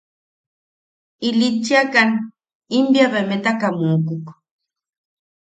Ilitchiakan, im bea beemetaka mukuk.